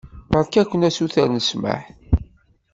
Beṛka-ken asuter n ssmaḥ.